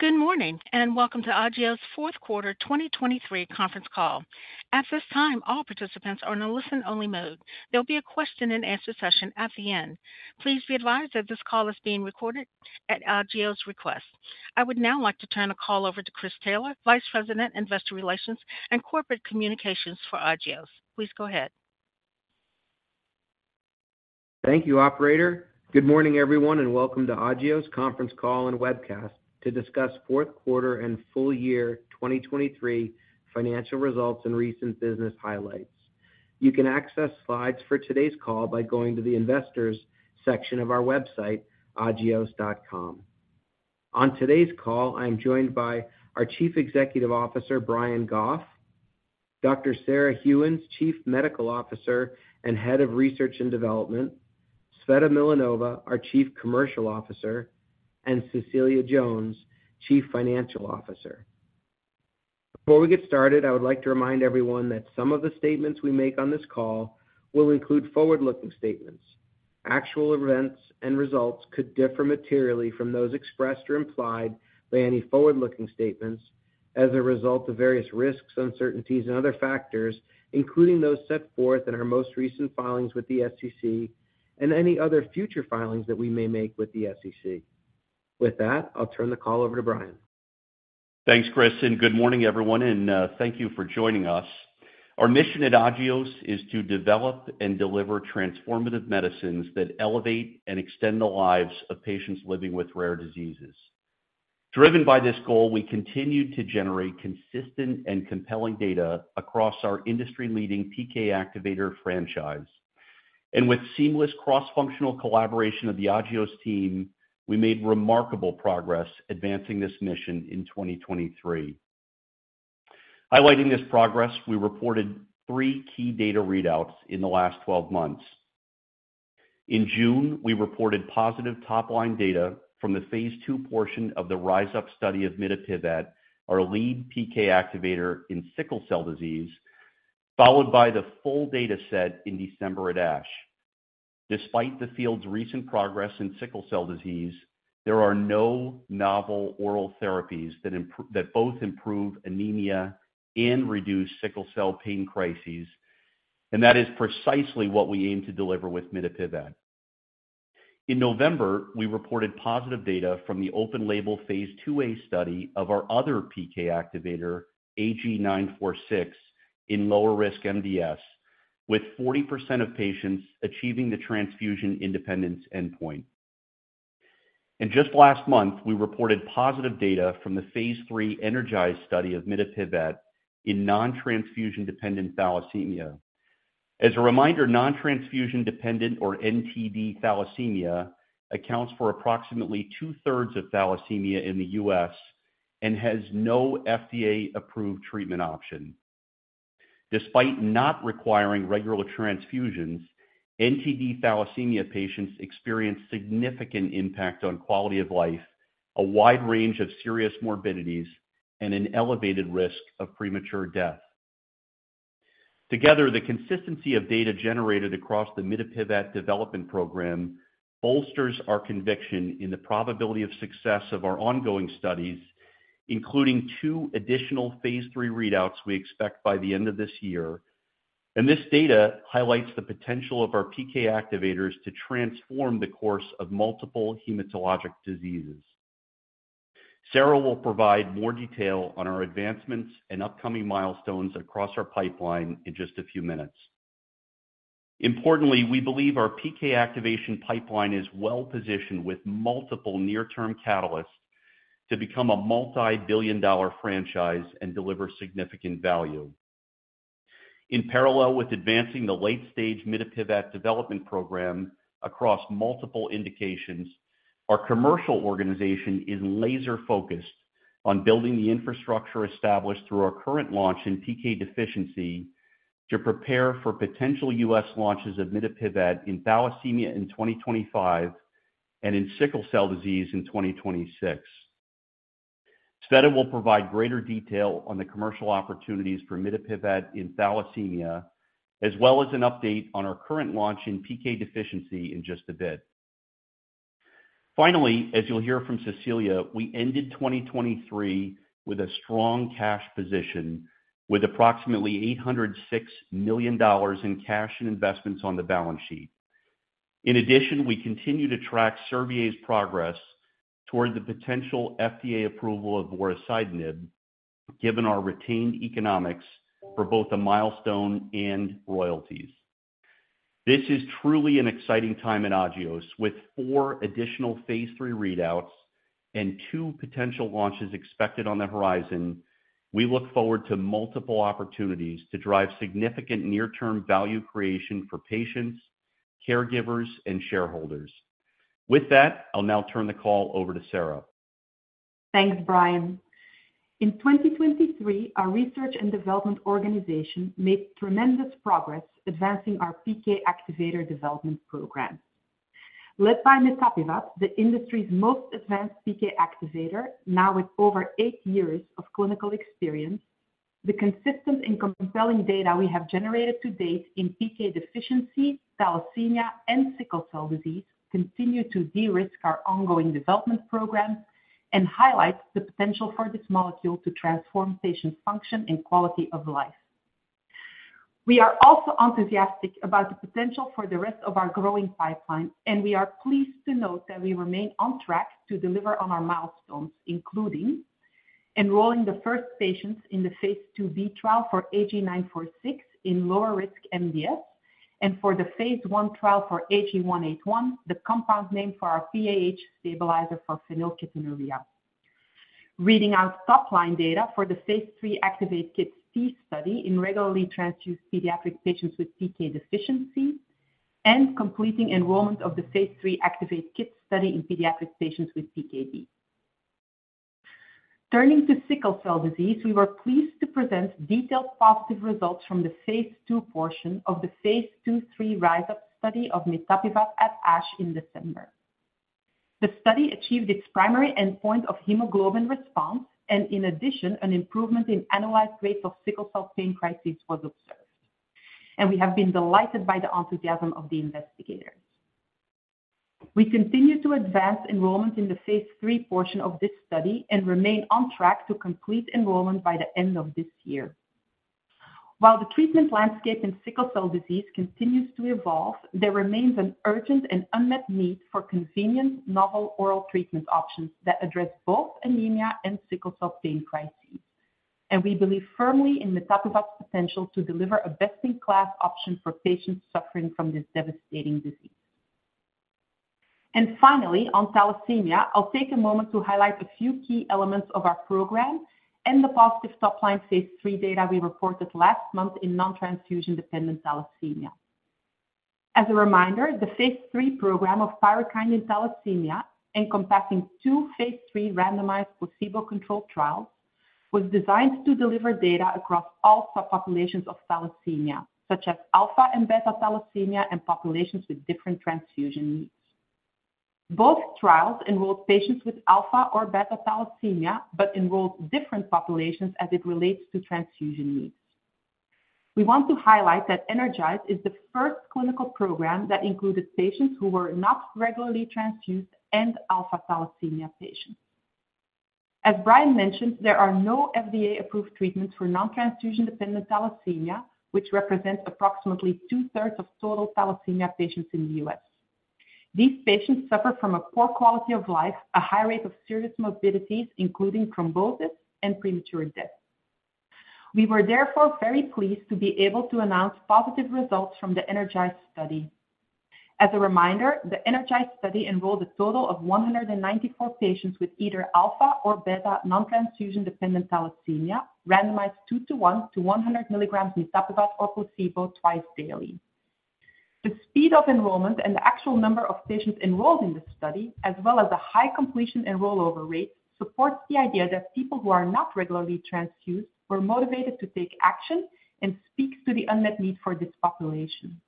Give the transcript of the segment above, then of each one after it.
Good morning and welcome to Agios' fourth quarter 2023 conference call. At this time, all participants are in a listen-only mode. There'll be a question-and-answer session at the end. Please be advised that this call is being recorded at Agios' request. I would now like to turn the call over to Chris Taylor, Vice President, Investor Relations and Corporate Communications for Agios. Please go ahead. Thank you, operator. Good morning, everyone, and welcome to Agios' conference call and webcast to discuss fourth quarter and full year 2023 financial results and recent business highlights. You can access slides for today's call by going to the Investors section of our website, agios.com. On today's call, I'm joined by our Chief Executive Officer, Brian Goff; Dr. Sarah Gheuens, Chief Medical Officer and Head of Research and Development; Tsveta Milanova, our Chief Commercial Officer; and Cecilia Jones, Chief Financial Officer. Before we get started, I would like to remind everyone that some of the statements we make on this call will include forward-looking statements. Actual events and results could differ materially from those expressed or implied by any forward-looking statements as a result of various risks, uncertainties, and other factors, including those set forth in our most recent filings with the SEC and any other future filings that we may make with the SEC. With that, I'll turn the call over to Brian. Thanks, Chris, and good morning, everyone, and thank you for joining us. Our mission at Agios is to develop and deliver transformative medicines that elevate and extend the lives of patients living with rare diseases. Driven by this goal, we continue to generate consistent and compelling data across our industry-leading PK activator franchise. With seamless cross-functional collaboration of the Agios team, we made remarkable progress advancing this mission in 2023. Highlighting this progress, we reported three key data readouts in the last 12 months. In June, we reported positive top-line data from the phase 2 portion of the RISE UP study of mitapivat, our lead PK activator in sickle cell disease, followed by the full dataset in December at ASH. Despite the field's recent progress in sickle cell disease, there are no novel oral therapies that both improve anemia and reduce sickle cell pain crises, and that is precisely what we aim to deliver with mitapivat. In November, we reported positive data from the open-label phase 2A study of our other PK activator, AG-946, in lower-risk MDS, with 40% of patients achieving the transfusion-independence endpoint. Just last month, we reported positive data from the phase 3 ENERGIZE study of mitapivat in non-transfusion-dependent thalassemia. As a reminder, non-transfusion-dependent or NTD thalassemia accounts for approximately two-thirds of thalassemia in the US and has no FDA-approved treatment option. Despite not requiring regular transfusions, NTD thalassemia patients experience significant impact on quality of life, a wide range of serious morbidities, and an elevated risk of premature death. Together, the consistency of data generated across the mitapivat development program bolsters our conviction in the probability of success of our ongoing studies, including 2 additional phase 3 readouts we expect by the end of this year. In this data highlights the potential of our PK activators to transform the course of multiple hematologic diseases. Sarah will provide more detail on our advancements and upcoming milestones across our pipeline in just a few minutes. Importantly, we believe our PK activation pipeline is well-positioned with multiple near-term catalysts to become a multi-billion-dollar franchise and deliver significant value. In parallel with advancing the late-stage mitapivat development program across multiple indications, our commercial organization is laser-focused on building the infrastructure established through our current launch in PK deficiency to prepare for potential US launches of mitapivat in thalassemia in 2025 and in sickle cell disease in 2026. Tsveta will provide greater detail on the commercial opportunities for mitapivat in thalassemia, as well as an update on our current launch in PK deficiency in just a bit. Finally, as you'll hear from Cecilia, we ended 2023 with a strong cash position with approximately $806 million in cash and investments on the balance sheet. In addition, we continue to track Servier's progress toward the potential FDA approval of vorasidenib, given our retained economics for both the milestone and royalties. This is truly an exciting time at Agios. With four additional phase 3 readouts and two potential launches expected on the horizon, we look forward to multiple opportunities to drive significant near-term value creation for patients, caregivers, and shareholders. With that, I'll now turn the call over to Sarah. Thanks, Brian. In 2023, our research and development organization made tremendous progress advancing our PK activator development program. Led by mitapivat, the industry's most advanced PK activator, now with over eight years of clinical experience, the consistent and compelling data we have generated to date in PK deficiency, thalassemia, and sickle cell disease continue to de-risk our ongoing development program and highlight the potential for this molecule to transform patients' function and quality of life. We are also enthusiastic about the potential for the rest of our growing pipeline, and we are pleased to note that we remain on track to deliver on our milestones, including enrolling the first patients in the phase 2b trial for AG-946 in lower-risk MDS and for the phase 1 trial for AG-181, the compound name for our PAH stabilizer for phenylketonuria. Reading out top-line data for the phase 3 ACTIVATE-kidsT study in regularly transfused pediatric patients with PK deficiency and completing enrollment of the phase 3 ACTIVATE-kids study in pediatric patients with PKD. Turning to sickle cell disease, we were pleased to present detailed positive results from the phase 2 portion of the phase 2/3 RISE UP study of mitapivat at ASH in December. The study achieved its primary endpoint of hemoglobin response, and in addition, an improvement in annualized rates of sickle cell pain crises was observed. We have been delighted by the enthusiasm of the investigators. We continue to advance enrollment in the phase 3 portion of this study and remain on track to complete enrollment by the end of this year. While the treatment landscape in sickle cell disease continues to evolve, there remains an urgent and unmet need for convenient novel oral treatment options that address both anemia and sickle cell pain crises. We believe firmly in mitapivat's potential to deliver a best-in-class option for patients suffering from this devastating disease. Finally, on thalassemia, I'll take a moment to highlight a few key elements of our program and the positive top-line phase 3 data we reported last month in non-transfusion-dependent thalassemia. As a reminder, the phase 3 program of PYRUKYND in thalassemia, encompassing two phase 3 randomized placebo-controlled trials, was designed to deliver data across all subpopulations of thalassemia, such as alpha and beta thalassemia and populations with different transfusion needs. Both trials enrolled patients with alpha or beta thalassemia but enrolled different populations as it relates to transfusion needs. We want to highlight that ENERGIZE is the first clinical program that included patients who were not regularly transfused and alpha-thalassemia patients. As Brian mentioned, there are no FDA-approved treatments for non-transfusion-dependent thalassemia, which represents approximately two-thirds of total thalassemia patients in the US These patients suffer from a poor quality of life, a high rate of serious morbidities, including thrombosis, and premature death. We were therefore very pleased to be able to announce positive results from the ENERGIZE study. As a reminder, the ENERGIZE study enrolled a total of 194 patients with either alpha or beta non-transfusion-dependent thalassemia, randomized 2:1 to 100 mg mitapivat or placebo twice daily. The speed of enrollment and the actual number of patients enrolled in the study, as well as the high completion and rollover rate, supports the idea that people who are not regularly transfused were motivated to take action and speaks to the unmet need for this population.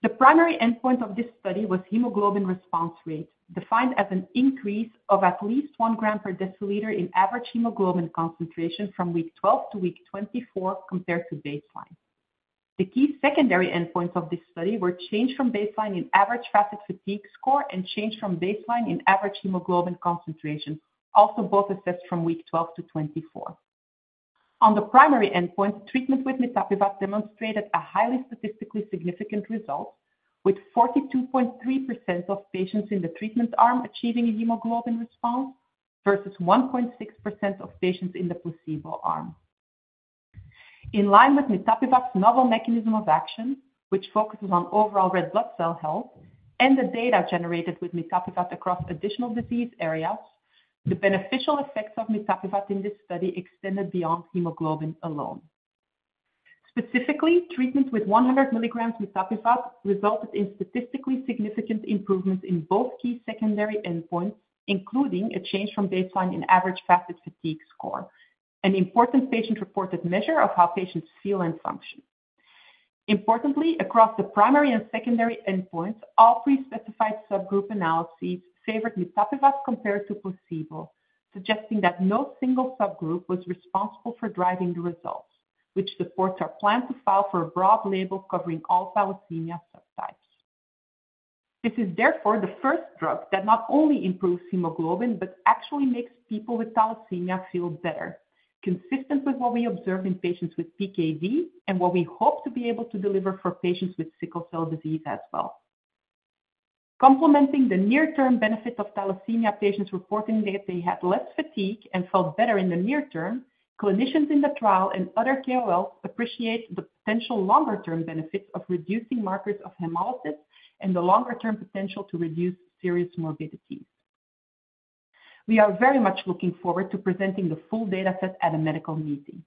The primary endpoint of this study was hemoglobin response rate, defined as an increase of at least 1 gram per deciliter in average hemoglobin concentration from week 12 to week 24 compared to baseline. The key secondary endpoints of this study were change from baseline in average FACIT fatigue score and change from baseline in average hemoglobin concentration, also both assessed from week 12 to 24. On the primary endpoint, treatment with mitapivat demonstrated a highly statistically significant result, with 42.3% of patients in the treatment arm achieving a hemoglobin response versus 1.6% of patients in the placebo arm. In line with mitapivat's novel mechanism of action, which focuses on overall red blood cell health and the data generated with mitapivat across additional disease areas, the beneficial effects of mitapivat in this study extended beyond hemoglobin alone. Specifically, treatment with 100 mg mitapivat resulted in statistically significant improvements in both key secondary endpoints, including a change from baseline in average FACIT fatigue score, an important patient-reported measure of how patients feel and function. Importantly, across the primary and secondary endpoints, all prespecified subgroup analyses favored mitapivat compared to placebo, suggesting that no single subgroup was responsible for driving the results, which supports our plan to file for a broad label covering all thalassemia subtypes. This is therefore the first drug that not only improves hemoglobin but actually makes people with thalassemia feel better, consistent with what we observed in patients with PKD and what we hope to be able to deliver for patients with sickle cell disease as well. Complementing the near-term benefit of thalassemia patients reporting that they had less fatigue and felt better in the near term, clinicians in the trial and other KOLs appreciate the potential longer-term benefits of reducing markers of hemolysis and the longer-term potential to reduce serious morbidities. We are very much looking forward to presenting the full dataset at a medical meeting.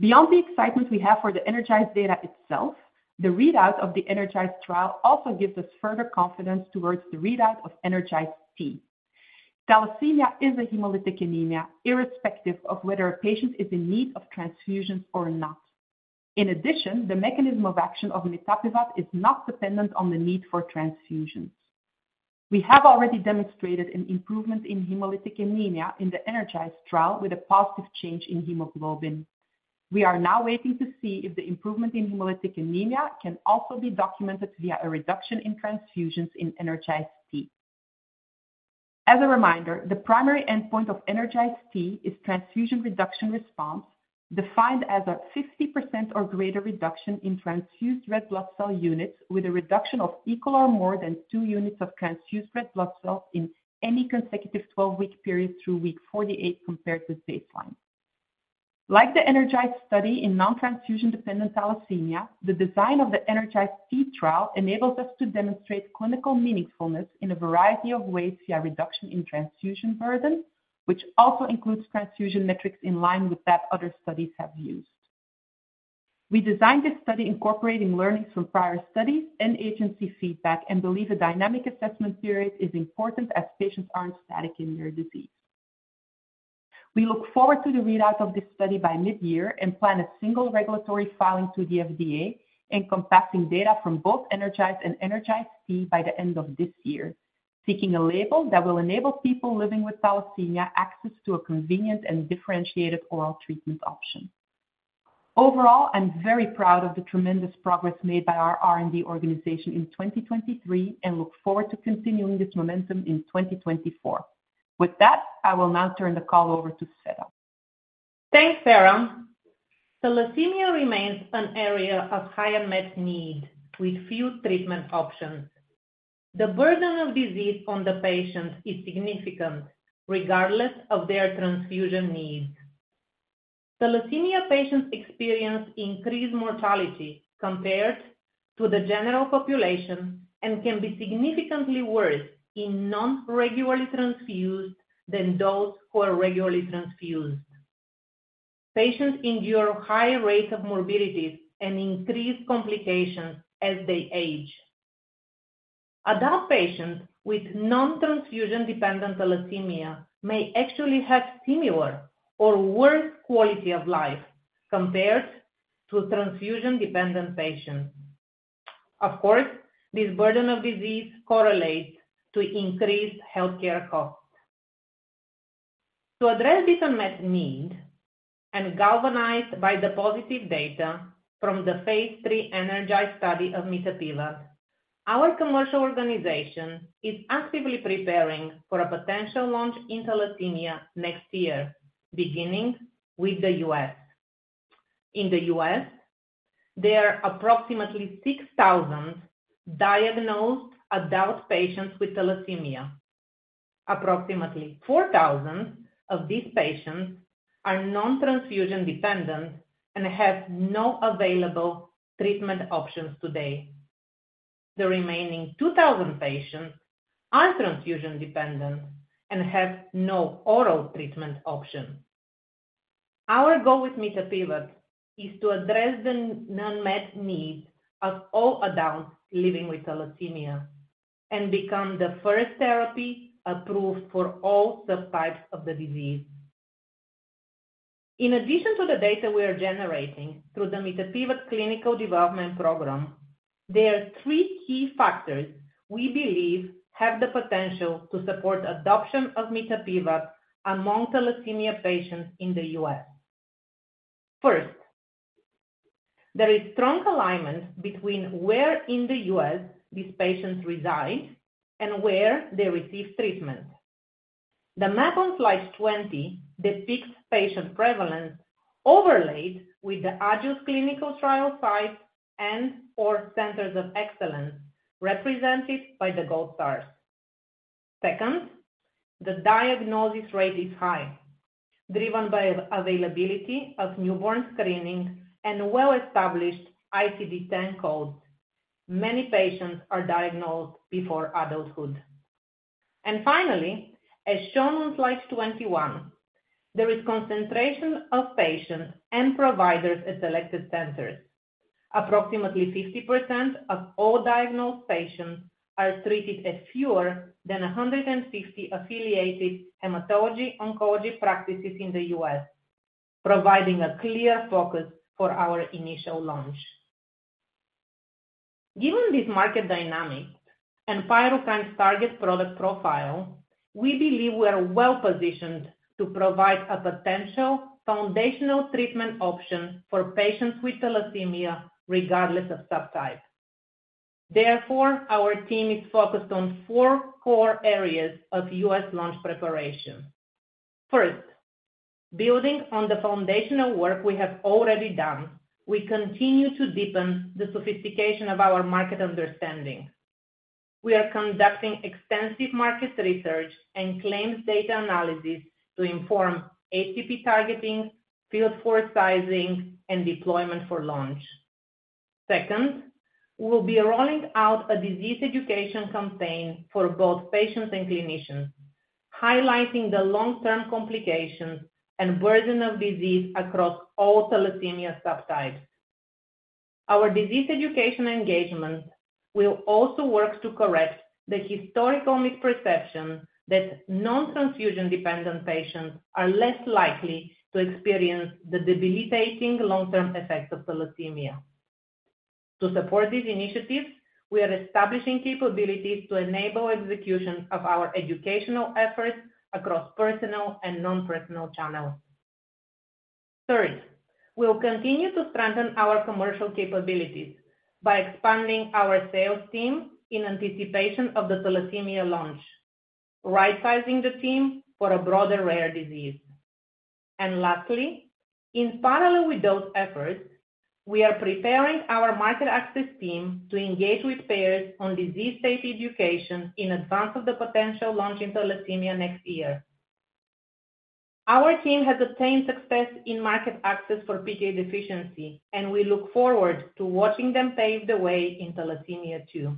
Beyond the excitement we have for the ENERGIZE data itself, the readout of the ENERGIZE trial also gives us further confidence towards the readout of ENERGIZE-T. Thalassemia is a hemolytic anemia, irrespective of whether a patient is in need of transfusions or not. In addition, the mechanism of action of mitapivat is not dependent on the need for transfusions. We have already demonstrated an improvement in hemolytic anemia in the ENERGIZE trial with a positive change in hemoglobin. We are now waiting to see if the improvement in hemolytic anemia can also be documented via a reduction in transfusions in ENERGIZE-T. As a reminder, the primary endpoint of ENERGIZE-T is transfusion reduction response, defined as a 50% or greater reduction in transfused red blood cell units with a reduction of equal or more than two units of transfused red blood cells in any consecutive 12-week period through week 48 compared with baseline. Like the ENERGIZE study in non-transfusion-dependent thalassemia, the design of the ENERGIZE-T trial enables us to demonstrate clinical meaningfulness in a variety of ways via reduction in transfusion burden, which also includes transfusion metrics in line with that other studies have used. We designed this study incorporating learnings from prior studies and agency feedback and believe a dynamic assessment period is important as patients aren't static in their disease. We look forward to the readout of this study by midyear and plan a single regulatory filing to the FDA encompassing data from both ENERGIZE and ENERGIZE-T by the end of this year, seeking a label that will enable people living with thalassemia access to a convenient and differentiated oral treatment option. Overall, I'm very proud of the tremendous progress made by our R&D organization in 2023 and look forward to continuing this momentum in 2024.With that, I will now turn the call over to Tsveta. Thanks, Sarah. Thalassemia remains an area of high unmet need with few treatment options. The burden of disease on the patients is significant regardless of their transfusion needs. Thalassemia patients experience increased mortality compared to the general population and can be significantly worse in non-regularly transfused than those who are regularly transfused. Patients endure a higher rate of morbidities and increased complications as they age. Adult patients with non-transfusion-dependent thalassemia may actually have similar or worse quality of life compared to transfusion-dependent patients. Of course, this burden of disease correlates to increased healthcare costs. To address this unmet need and galvanized by the positive data from the phase 3 ENERGIZE study of mitapivat, our commercial organization is actively preparing for a potential launch in thalassemia next year, beginning with the US In the US, there are approximately 6,000 diagnosed adult patients with thalassemia. Approximately 4,000 of these patients are non-transfusion-dependent and have no available treatment options today. The remaining 2,000 patients are transfusion-dependent and have no oral treatment option. Our goal with mitapivat is to address the unmet needs of all adults living with thalassemia and become the first therapy approved for all subtypes of the disease. In addition to the data we are generating through the mitapivat clinical development program, there are three key factors we believe have the potential to support adoption of mitapivat among thalassemia patients in the US First, there is strong alignment between where in the US these patients reside and where they receive treatment. The map on slide 20 depicts patient prevalence overlaid with the Agios clinical trial sites and/or centers of excellence represented by the gold stars. Second, the diagnosis rate is high. Driven by availability of newborn screening and well-established ICD-10 codes, many patients are diagnosed before adulthood. And finally, as shown on slide 21, there is concentration of patients and providers at selected centers. Approximately 50% of all diagnosed patients are treated at fewer than 150 affiliated hematology-oncology practices in the US, providing a clear focus for our initial launch. Given this market dynamic and PYRUKYND's target product profile, we believe we are well-positioned to provide a potential foundational treatment option for patients with thalassemia regardless of subtype. Therefore, our team is focused on four core areas of US launch preparation. First, building on the foundational work we have already done, we continue to deepen the sophistication of our market understanding. We are conducting extensive market research and claims data analysis to inform HCP targeting, field force sizing, and deployment for launch. Second, we will be rolling out a disease education campaign for both patients and clinicians, highlighting the long-term complications and burden of disease across all thalassemia subtypes. Our disease education engagement will also work to correct the historical misperception that non-transfusion-dependent patients are less likely to experience the debilitating long-term effects of thalassemia. To support these initiatives, we are establishing capabilities to enable execution of our educational efforts across personal and nonpersonal channels. Third, we will continue to strengthen our commercial capabilities by expanding our sales team in anticipation of the thalassemia launch, right-sizing the team for a broader rare disease. And lastly, in parallel with those efforts, we are preparing our market access team to engage with payers on disease safety education in advance of the potential launch in thalassemia next year. Our team has obtained success in market access for PK deficiency, and we look forward to watching them pave the way in thalassemia too.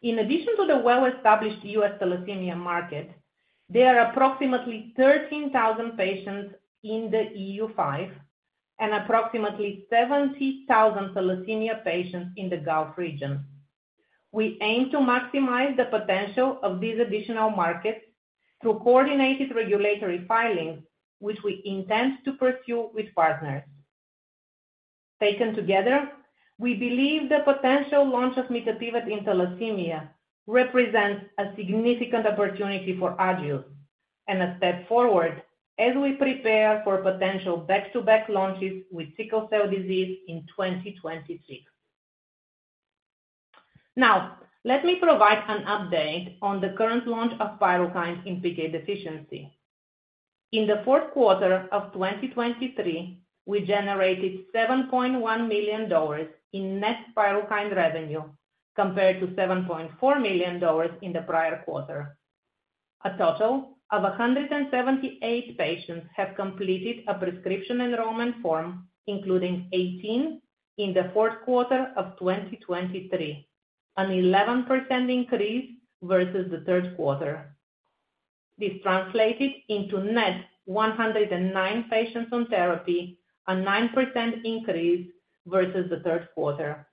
In addition to the well-established US thalassemia market, there are approximately 13,000 patients in the EU5 and approximately 70,000 thalassemia patients in the Gulf region. We aim to maximize the potential of these additional markets through coordinated regulatory filings, which we intend to pursue with partners. Taken together, we believe the potential launch of mitapivat in thalassemia represents a significant opportunity for Agios and a step forward as we prepare for potential back-to-back launches with sickle cell disease in 2026. Now, let me provide an update on the current launch of PYRUKYND in PK deficiency. In the fourth quarter of 2023, we generated $7.1 million in net PYRUKYND revenue compared to $7.4 million in the prior quarter. A total of 178 patients have completed a prescription enrollment form, including 18, in the fourth quarter of 2023, an 11% increase versus the third quarter. This translated into net 109 patients on therapy, a 9% increase versus the third quarter.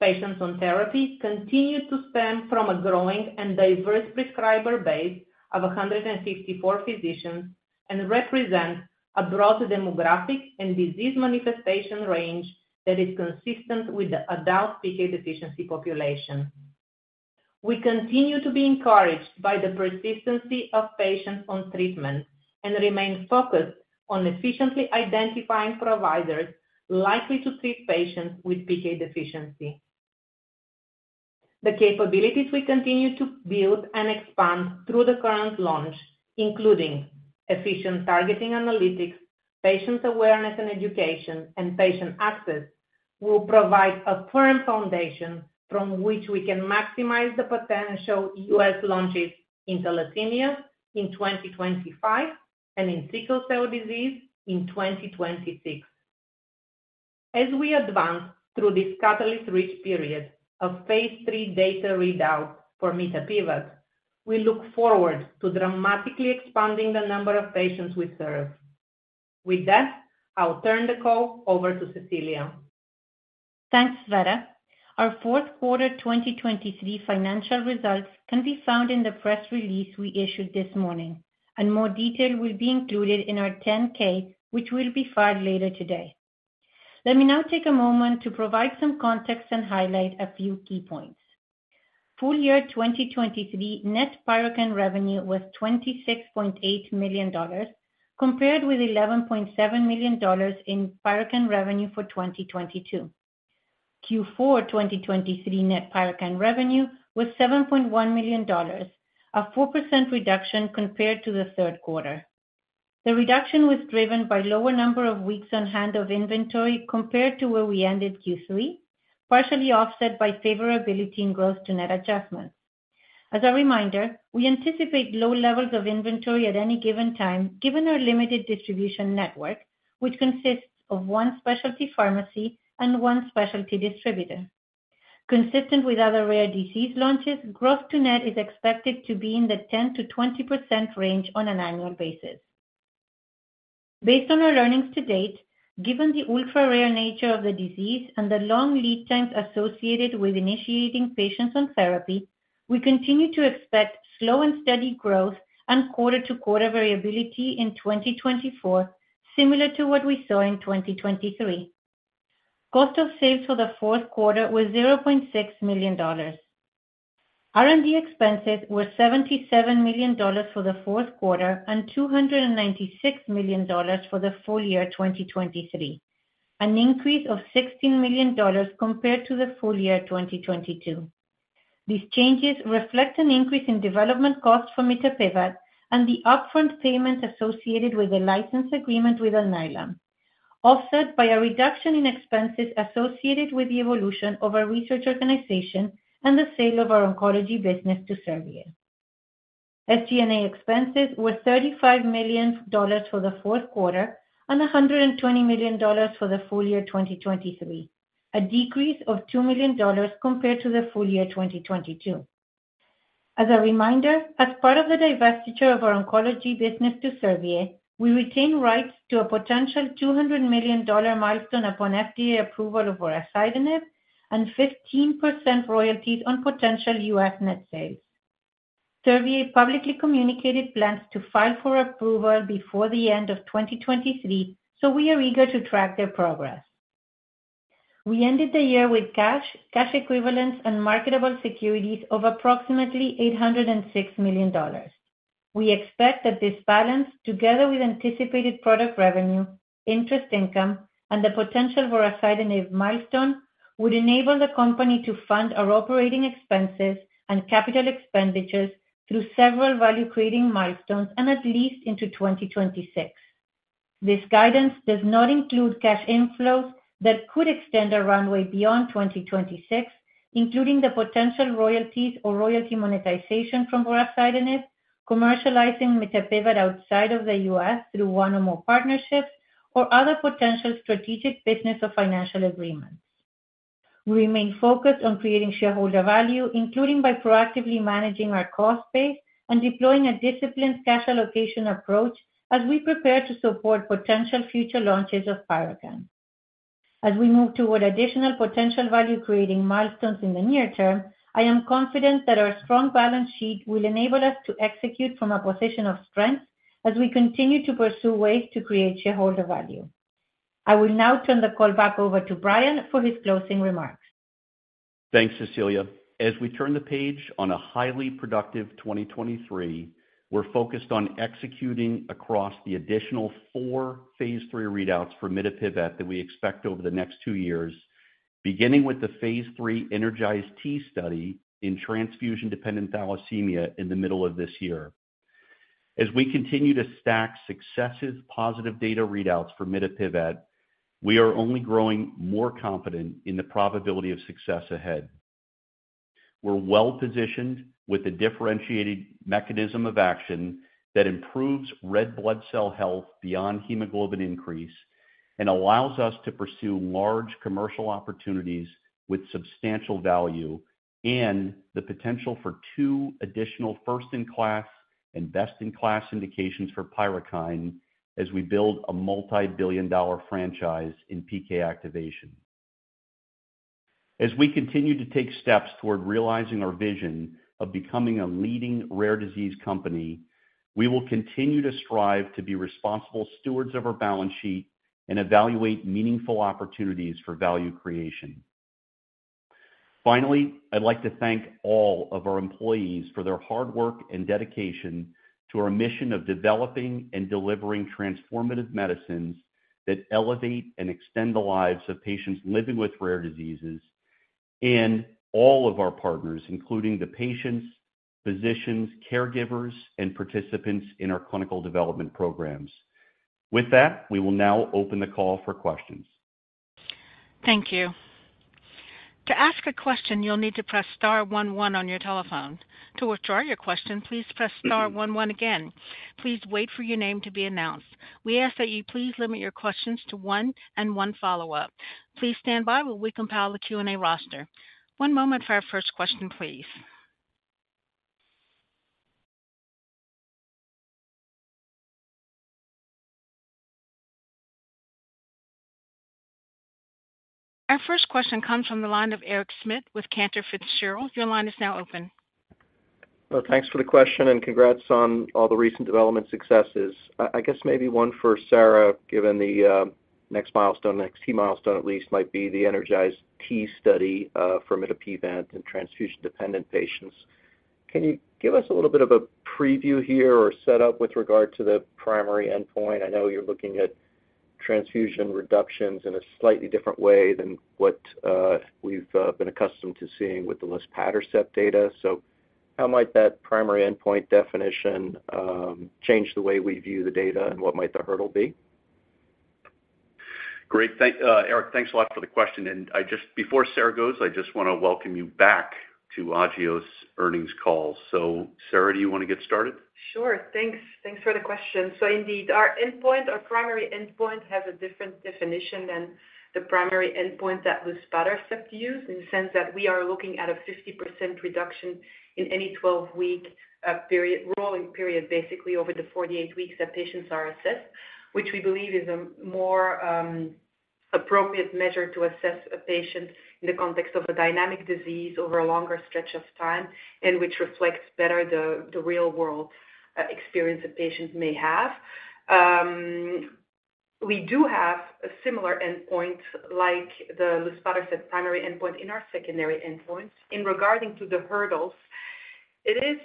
Patients on therapy continue to stem from a growing and diverse prescriber base of 154 physicians and represent a broad demographic and disease manifestation range that is consistent with the adult PK deficiency population. We continue to be encouraged by the persistency of patients on treatment and remain focused on efficiently identifying providers likely to treat patients with PK deficiency. The capabilities we continue to build and expand through the current launch, including efficient targeting analytics, patient awareness and education, and patient access, will provide a firm foundation from which we can maximize the potential US launches in thalassemia in 2025 and in sickle cell disease in 2026.As we advance through this catalyst-rich period of phase 3 data readout for mitapivat, we look forward to dramatically expanding the number of patients we serve. With that, I'll turn the call over to Cecilia. Thanks, Tsveta. Our fourth quarter 2023 financial results can be found in the press release we issued this morning, and more detail will be included in our 10-K, which will be filed later today. Let me now take a moment to provide some context and highlight a few key points. Full year 2023 net PYRUKYND revenue was $26.8 million compared with $11.7 million in PYRUKYND revenue for 2022. Q4 2023 net PYRUKYND revenue was $7.1 million, a 4% reduction compared to the third quarter. The reduction was driven by a lower number of weeks on hand of inventory compared to where we ended Q3, partially offset by favorability in gross-to-net adjustments. As a reminder, we anticipate low levels of inventory at any given time given our limited distribution network, which consists of one specialty pharmacy and one specialty distributor. Consistent with other rare disease launches, gross-to-net is expected to be in the 10%-20% range on an annual basis. Based on our learnings to date, given the ultra-rare nature of the disease and the long lead times associated with initiating patients on therapy, we continue to expect slow and steady growth and quarter-to-quarter variability in 2024, similar to what we saw in 2023. Cost of sales for the fourth quarter was $0.6 million. R&D expenses were $77 million for the fourth quarter and $296 million for the full year 2023, an increase of $16 million compared to the full year 2022. These changes reflect an increase in development costs for mitapivat and the upfront payment associated with the license agreement with Alnylam, offset by a reduction in expenses associated with the evolution of our research organization and the sale of our oncology business to Servier. SG&A expenses were $35 million for the fourth quarter and $120 million for the full year 2023, a decrease of $2 million compared to the full year 2022. As a reminder, as part of the divestiture of our oncology business to Servier, we retain rights to a potential $200 million milestone upon FDA approval of our vorasidenib and 15% royalties on potential US net sales. Servier publicly communicated plans to file for approval before the end of 2023, so we are eager to track their progress. We ended the year with cash, cash equivalents, and marketable securities of approximately $806 million. We expect that this balance, together with anticipated product revenue, interest income, and the potential for vorasidenib milestone, would enable the company to fund our operating expenses and capital expenditures through several value-creating milestones and at least into 2026. This guidance does not include cash inflows that could extend our runway beyond 2026, including the potential royalties or royalty monetization from our vorasidenib, commercializing mitapivat outside of the US through one or more partnerships, or other potential strategic business or financial agreements. We remain focused on creating shareholder value, including by proactively managing our cost base and deploying a disciplined cash allocation approach as we prepare to support potential future launches of PYRUKYND. As we move toward additional potential value-creating milestones in the near term, I am confident that our strong balance sheet will enable us to execute from a position of strength as we continue to pursue ways to create shareholder value. I will now turn the call back over to Brian for his closing remarks. Thanks, Cecilia. As we turn the page on a highly productive 2023, we're focused on executing across the additional 4 phase 3 readouts for mitapivat that we expect over the next 2 years, beginning with the phase 3 ENERGIZE-T study in transfusion-dependent thalassemia in the middle of this year. As we continue to stack successive positive data readouts for mitapivat, we are only growing more confident in the probability of success ahead. We're well-positioned with a differentiated mechanism of action that improves red blood cell health beyond hemoglobin increase and allows us to pursue large commercial opportunities with substantial value and the potential for 2 additional first-in-class and best-in-class indications for PYRUKYND as we build a multi-billion-dollar franchise in PK activation. As we continue to take steps toward realizing our vision of becoming a leading rare disease company, we will continue to strive to be responsible stewards of our balance sheet and evaluate meaningful opportunities for value creation. Finally, I'd like to thank all of our employees for their hard work and dedication to our mission of developing and delivering transformative medicines that elevate and extend the lives of patients living with rare diseases, and all of our partners, including the patients, physicians, caregivers, and participants in our clinical development programs. With that, we will now open the call for questions. Thank you. To ask a question, you'll need to press star 11 on your telephone. To withdraw your question, please press star 11 again. Please wait for your name to be announced. We ask that you please limit your questions to one and one follow-up. Please stand by while we compile the Q&A roster. One moment for our first question, please. Our first question comes from the line of Eric Smith with Cantor Fitzgerald. Your line is now open. Well, thanks for the question and congrats on all the recent development successes. I guess maybe one for Sarah, given the next milestone, the next key milestone at least, might be the ENERGIZE-T study for mitapivat in transfusion-dependent patients. Can you give us a little bit of a preview here or setup with regard to the primary endpoint? I know you're looking at transfusion reductions in a slightly different way than what we've been accustomed to seeing with the luspatercept data. So how might that primary endpoint definition change the way we view the data and what might the hurdle be? Great. Eric, thanks a lot for the question. And before Sarah goes, I just want to welcome you back to Agios' earnings call. So Sarah, do you want to get started? Sure. Thanks for the question. So indeed, our endpoint, our primary endpoint, has a different definition than the primary endpoint that luspatercept used in the sense that we are looking at a 50% reduction in any 12-week period, rolling period basically over the 48 weeks that patients are assessed, which we believe is a more appropriate measure to assess a patient in the context of a dynamic disease over a longer stretch of time and which reflects better the real-world experience a patient may have. We do have a similar endpoint like the luspatercept primary endpoint in our secondary endpoints. In regard to the hurdles, it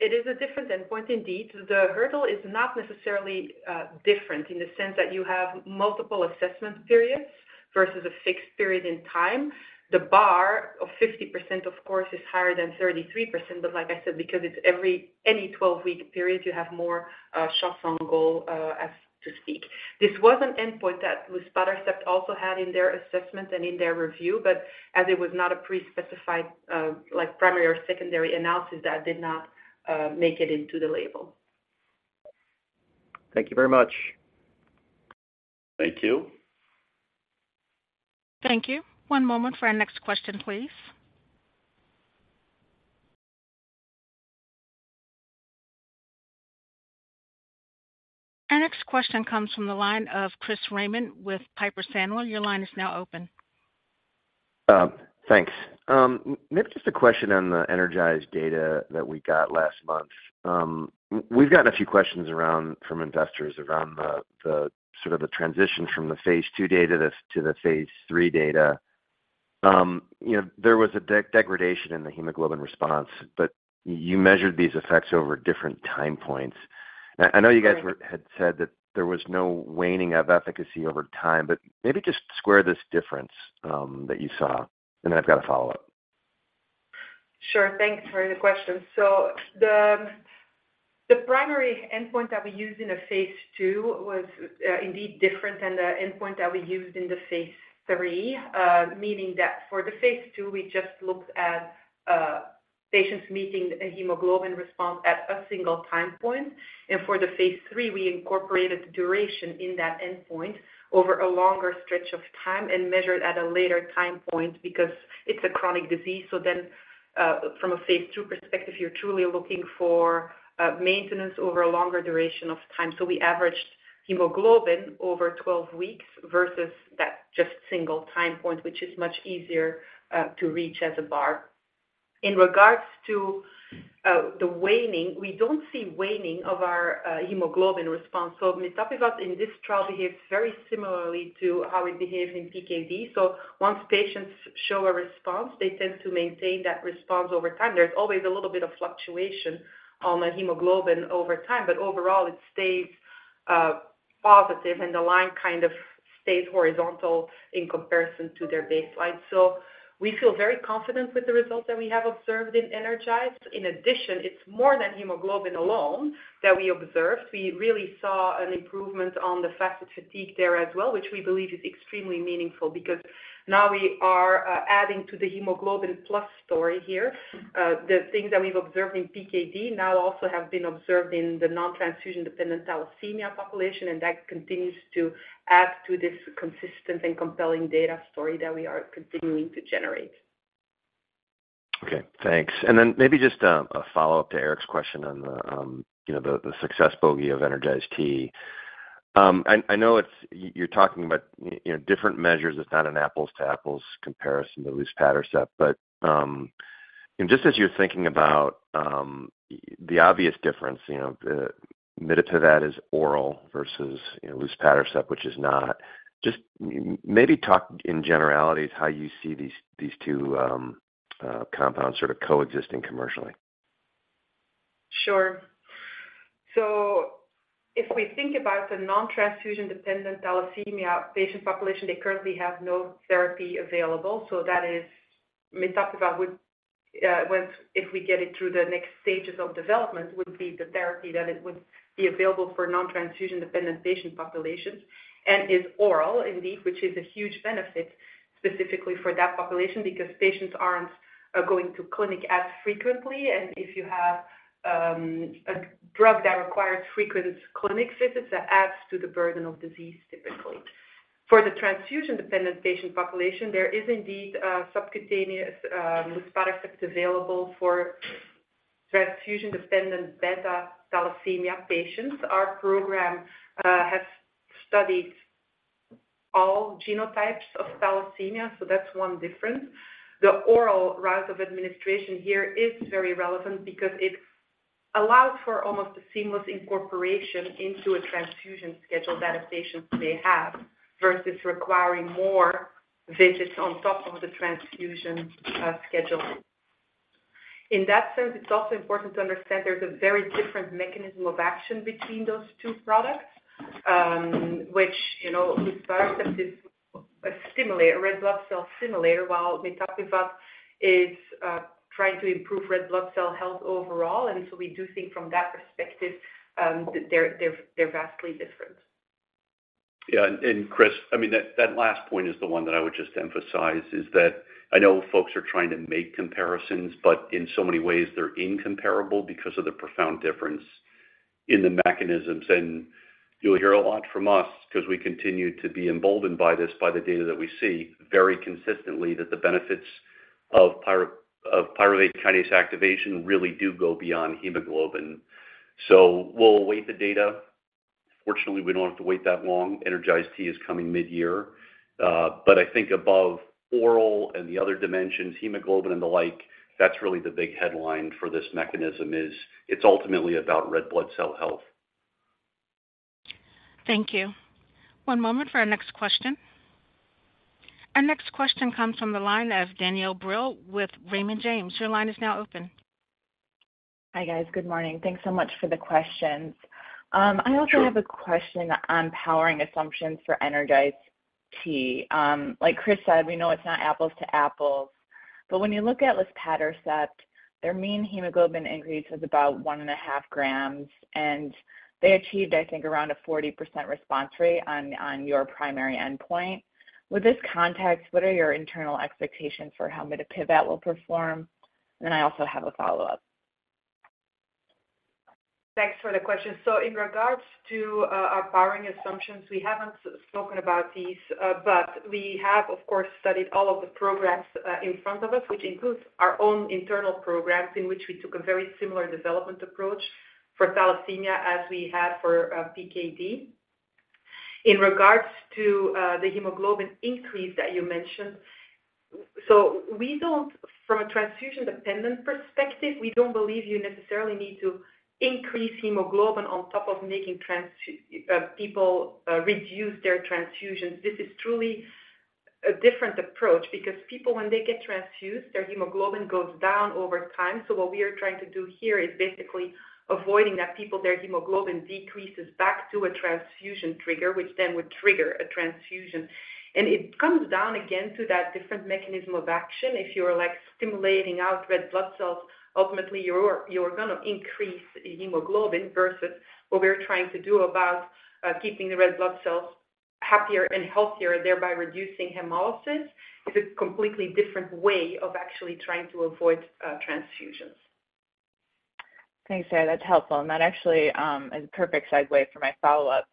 is a different endpoint indeed. The hurdle is not necessarily different in the sense that you have multiple assessment periods versus a fixed period in time. The bar of 50%, of course, is higher than 33%. But like I said, because it's any 12-week period, you have more shots on goal, so to speak. This was an endpoint that luspatercept also had in their assessment and in their review, but as it was not a pre-specified primary or secondary analysis, that did not make it into the label. Thank you very much. Thank you. Thank you. One moment for our next question, please. Our next question comes from the line of Chris Raymond with Piper Sandler. Your line is now open. Thanks. Maybe just a question on the ENERGIZE data that we got last month. We've gotten a few questions from investors around sort of the transition from the phase two data to the phase three data. There was a degradation in the hemoglobin response, but you measured these effects over different time points. I know you guys had said that there was no waning of efficacy over time, but maybe just square this difference that you saw, and then I've got a follow-up. Sure. Thanks for the question. So the primary endpoint that we used in a phase 2 was indeed different than the endpoint that we used in the phase 3, meaning that for the phase 2, we just looked at patients meeting a hemoglobin response at a single time point. And for the phase 3, we incorporated duration in that endpoint over a longer stretch of time and measured at a later time point because it's a chronic disease. So then from a phase 2 perspective, you're truly looking for maintenance over a longer duration of time. So we averaged hemoglobin over 12 weeks versus that just single time point, which is much easier to reach as a bar. In regards to the waning, we don't see waning of our hemoglobin response. So mitapivat, in this trial, behaves very similarly to how it behaves in PKD. So once patients show a response, they tend to maintain that response over time. There's always a little bit of fluctuation on the hemoglobin over time, but overall, it stays positive and the line kind of stays horizontal in comparison to their baseline. So we feel very confident with the results that we have observed in ENERGIZE. In addition, it's more than hemoglobin alone that we observed. We really saw an improvement on the FACIT fatigue there as well, which we believe is extremely meaningful because now we are adding to the hemoglobin-plus story here. The things that we've observed in PKD now also have been observed in the non-transfusion-dependent thalassemia population, and that continues to add to this consistent and compelling data story that we are continuing to generate. Okay. Thanks. And then maybe just a follow-up to Eric's question on the success bogey of ENERGIZE-T. I know you're talking about different measures. It's not an apples-to-apples comparison to luspatercept. But just as you're thinking about the obvious difference, mitapivat is oral versus luspatercept, which is not, just maybe talk in generalities how you see these two compounds sort of coexisting commercially. Sure. So if we think about the non-transfusion-dependent thalassemia patient population, they currently have no therapy available. So that is mitapivat, if we get it through the next stages of development, would be the therapy that would be available for non-transfusion-dependent patient populations and is oral indeed, which is a huge benefit specifically for that population because patients aren't going to clinic as frequently. And if you have a drug that requires frequent clinic visits, that adds to the burden of disease typically. For the transfusion-dependent patient population, there is indeed subcutaneous luspatercept available for transfusion-dependent beta thalassemia patients. Our program has studied all genotypes of thalassemia, so that's one difference. The oral route of administration here is very relevant because it allows for almost a seamless incorporation into a transfusion schedule that a patient may have versus requiring more visits on top of the transfusion schedule. In that sense, it's also important to understand there's a very different mechanism of action between those two products, which luspatercept is a red blood cell stimulator, while mitapivat is trying to improve red blood cell health overall. And so we do think from that perspective, they're vastly different. Yeah. And Chris, I mean, that last point is the one that I would just emphasize is that I know folks are trying to make comparisons, but in so many ways, they're incomparable because of the profound difference in the mechanisms. And you'll hear a lot from us because we continue to be emboldened by this, by the data that we see very consistently, that the benefits of pyruvate kinase activation really do go beyond hemoglobin. So we'll await the data. Fortunately, we don't have to wait that long. ENERGIZE-T is coming mid-year. But I think above oral and the other dimensions, hemoglobin and the like, that's really the big headline for this mechanism is it's ultimately about red blood cell health. Thank you. One moment for our next question. Our next question comes from the line of Danielle Brill with Raymond James. Your line is now open. Hi, guys. Good morning. Thanks so much for the questions. I also have a question on powering assumptions for ENERGIZE-T. Like Chris said, we know it's not apples to apples. But when you look at luspatercept, their mean hemoglobin increase was about 1.5 grams, and they achieved, I think, around a 40% response rate on your primary endpoint. With this context, what are your internal expectations for how mitapivat will perform? And then I also have a follow-up. Thanks for the question. So in regards to our powering assumptions, we haven't spoken about these, but we have, of course, studied all of the programs in front of us, which includes our own internal programs in which we took a very similar development approach for thalassemia as we had for PKD. In regards to the hemoglobin increase that you mentioned, so from a transfusion-dependent perspective, we don't believe you necessarily need to increase hemoglobin on top of making people reduce their transfusions. This is truly a different approach because people, when they get transfused, their hemoglobin goes down over time. So what we are trying to do here is basically avoiding that people, their hemoglobin decreases back to a transfusion trigger, which then would trigger a transfusion. It comes down again to that different mechanism of action. If you're stimulating out red blood cells, ultimately, you're going to increase hemoglobin versus what we're trying to do about keeping the red blood cells happier and healthier, thereby reducing hemolysis, is a completely different way of actually trying to avoid transfusions. Thanks, Sarah. That's helpful. That actually is a perfect segue for my follow-up.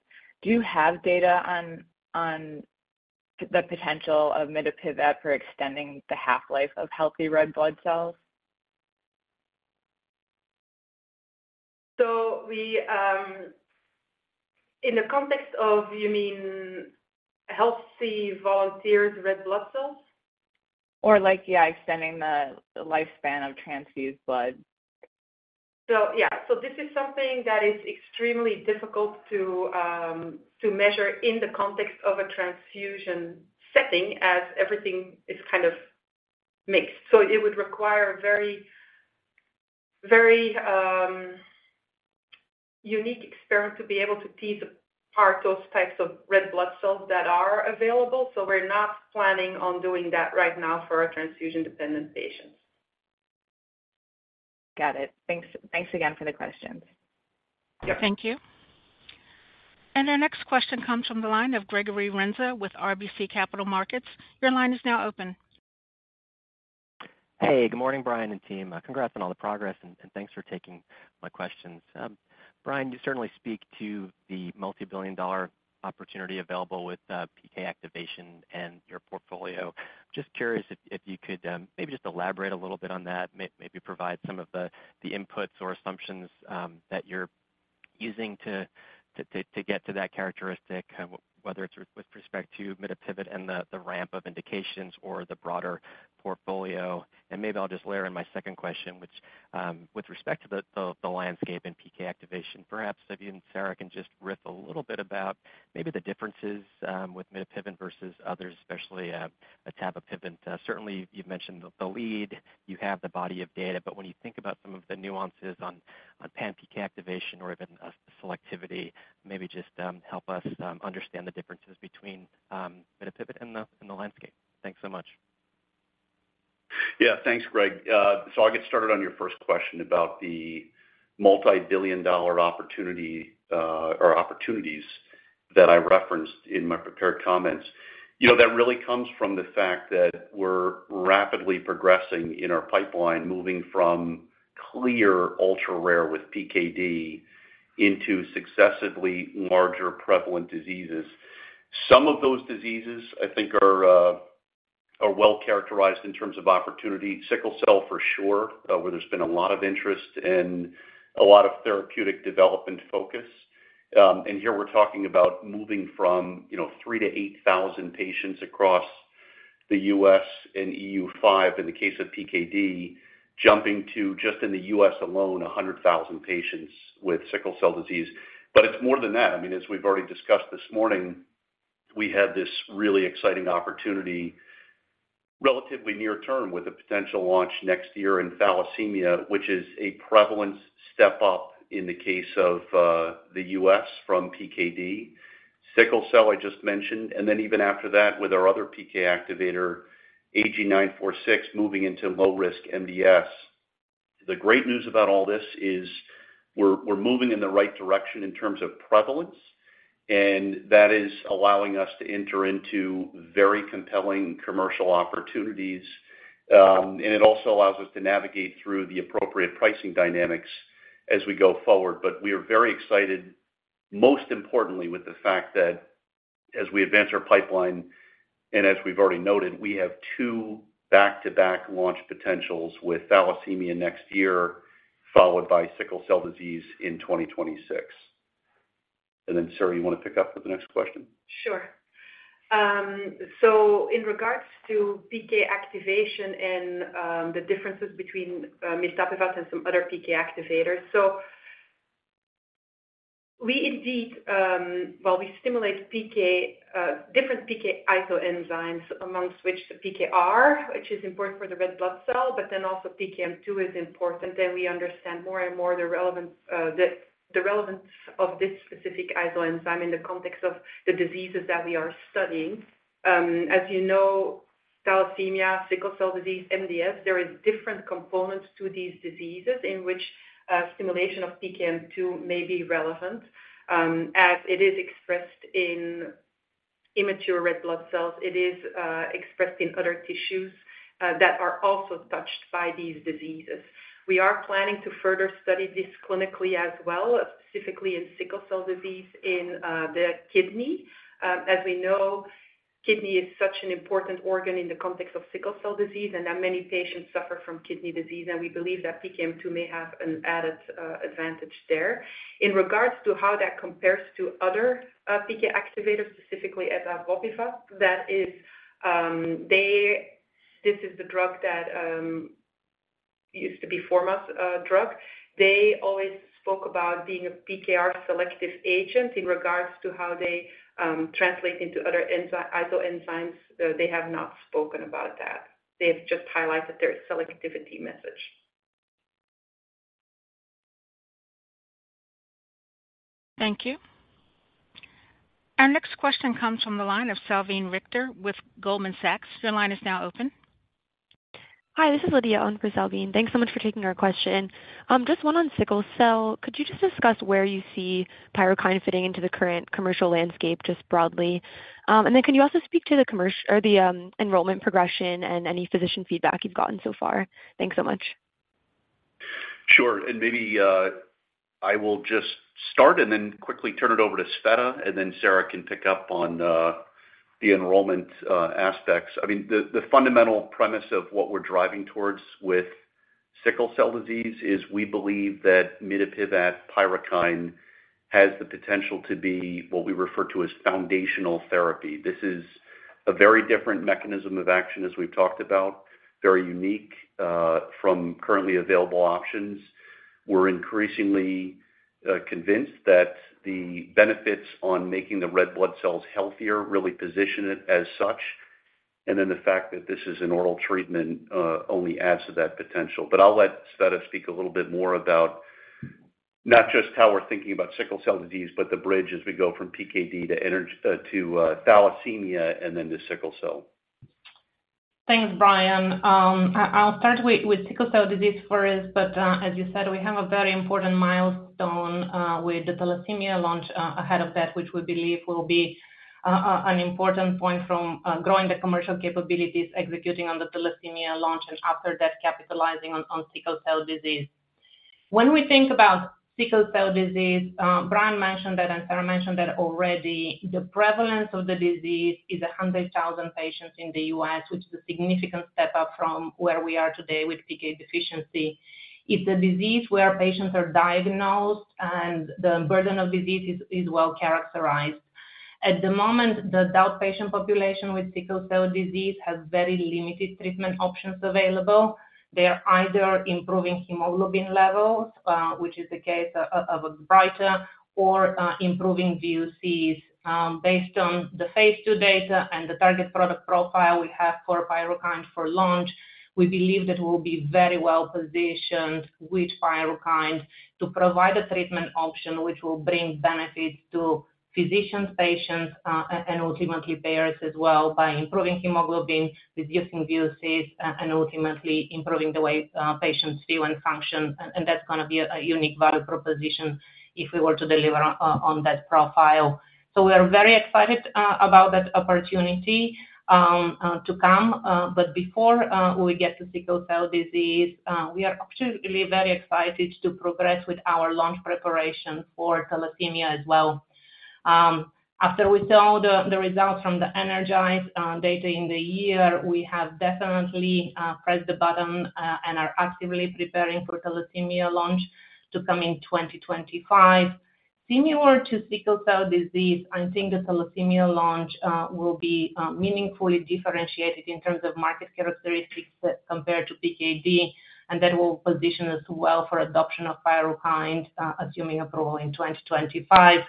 Do you have data on the potential of mitapivat for extending the half-life of healthy red blood cells? In the context of, you mean, healthy volunteers' red blood cells? Or, yeah, extending the lifespan of transfused blood. So yeah. This is something that is extremely difficult to measure in the context of a transfusion setting as everything is kind of mixed. It would require a very unique experiment to be able to tease apart those types of red blood cells that are available. We're not planning on doing that right now for our transfusion-dependent patients. Got it. Thanks again for the questions. Thank you. Our next question comes from the line of Gregory Renza with RBC Capital Markets. Your line is now open. Hey. Good morning, Brian and team. Congrats on all the progress, and thanks for taking my questions. Brian, you certainly speak to the multibillion-dollar opportunity available with PK activation and your portfolio. Just curious if you could maybe just elaborate a little bit on that, maybe provide some of the inputs or assumptions that you're using to get to that characteristic, whether it's with respect to mitapivat and the ramp of indications or the broader portfolio. And maybe I'll just layer in my second question, which, with respect to the landscape in PK activation, perhaps if you and Sarah can just riff a little bit about maybe the differences with mitapivat versus others, especially etavopivat. Certainly, you've mentioned the lead. You have the body of data. But when you think about some of the nuances on pan-PK activation or even selectivity, maybe just help us understand the differences between mitapivat and the landscape? Thanks so much. Yeah. Thanks, Greg. So I'll get started on your first question about the multibillion-dollar opportunities that I referenced in my prepared comments. That really comes from the fact that we're rapidly progressing in our pipeline, moving from clear ultra-rare with PKD into successively larger prevalent diseases. Some of those diseases, I think, are well characterized in terms of opportunity. Sickle cell, for sure, where there's been a lot of interest and a lot of therapeutic development focus. And here we're talking about moving from 3,000-8,000 patients across the US and EU5 in the case of PKD, jumping to just in the US alone, 100,000 patients with sickle cell disease. But it's more than that. I mean, as we've already discussed this morning, we had this really exciting opportunity relatively near-term with a potential launch next year in thalassemia, which is a prevalence step-up in the case of the US from PKD. Sickle cell, I just mentioned. And then even after that, with our other PK activator, AG-946, moving into low-risk MDS. The great news about all this is we're moving in the right direction in terms of prevalence, and that is allowing us to enter into very compelling commercial opportunities. And it also allows us to navigate through the appropriate pricing dynamics as we go forward. But we are very excited, most importantly, with the fact that as we advance our pipeline and as we've already noted, we have two back-to-back launch potentials with thalassemia next year, followed by sickle cell disease in 2026.And then, Sarah, you want to pick up with the next question? Sure. So in regards to PK activation and the differences between mitapivat and some other PK activators, so we indeed well, we stimulate different PK isoenzymes, amongst which the PKR, which is important for the red blood cell, but then also PKM2 is important. Then we understand more and more the relevance of this specific isoenzyme in the context of the diseases that we are studying. As you know, thalassemia, sickle cell disease, MDS, there are different components to these diseases in which stimulation of PKM2 may be relevant. As it is expressed in immature red blood cells, it is expressed in other tissues that are also touched by these diseases. We are planning to further study this clinically as well, specifically in sickle cell disease in the kidney. As we know, kidney is such an important organ in the context of sickle cell disease, and that many patients suffer from kidney disease. We believe that PKM2 may have an added advantage there. In regards to how that compares to other PK activators, specifically etavopivat, this is the drug that used to be Forma's drug. They always spoke about being a PKR selective agent in regards to how they translate into other isoenzymes. They have not spoken about that. They have just highlighted their selectivity message. Thank you. Our next question comes from the line of Salveen Richter with Goldman Sachs. Your line is now open. Hi. This is Lydia Owen for Salveen. Thanks so much for taking our question. Just one on sickle cell. Could you just discuss where you see PYRUKYND fitting into the current commercial landscape just broadly? And then can you also speak to the enrollment progression and any physician feedback you've gotten so far? Thanks so much. Sure. And maybe I will just start and then quickly turn it over to Tsveta Milanova, and then Sarah can pick up on the enrollment aspects. I mean, the fundamental premise of what we're driving towards with sickle cell disease is we believe that mitapivat, PYRUKYND, has the potential to be what we refer to as foundational therapy. This is a very different mechanism of action as we've talked about, very unique from currently available options. We're increasingly convinced that the benefits on making the red blood cells healthier really position it as such, and then the fact that this is an oral treatment only adds to that potential. But I'll let Tsveta speak a little bit more about not just how we're thinking about sickle cell disease, but the bridge as we go from PKD to thalassemia and then to sickle cell. Thanks, Brian. I'll start with sickle cell disease first. But as you said, we have a very important milestone with the thalassemia launch ahead of that, which we believe will be an important point from growing the commercial capabilities, executing on the thalassemia launch, and after that, capitalizing on sickle cell disease. When we think about sickle cell disease, Brian mentioned that, and Sarah mentioned that already, the prevalence of the disease is 100,000 patients in the US, which is a significant step up from where we are today with PK deficiency. It's a disease where patients are diagnosed, and the burden of disease is well characterized. At the moment, the outpatient population with sickle cell disease has very limited treatment options available. They are either improving hemoglobin levels, which is the case of Reblozyl, or improving VOCs. Based on the phase 2 data and the target product profile we have for PYRUKYND for launch, we believe that we'll be very well positioned with PYRUKYND to provide a treatment option which will bring benefits to physicians, patients, and ultimately payers as well by improving hemoglobin, reducing VOCs, and ultimately improving the way patients feel and function. And that's going to be a unique value proposition if we were to deliver on that profile. So we are very excited about that opportunity to come. But before we get to sickle cell disease, we are actually very excited to progress with our launch preparation for thalassemia as well. After we saw the results from the ENERGIZE data in the year, we have definitely pressed the button and are actively preparing for thalassemia launch to come in 2025. Similar to sickle cell disease, I think the thalassemia launch will be meaningfully differentiated in terms of market characteristics compared to PKD, and that will position us well for adoption of PYRUKYND, assuming approval in 2025,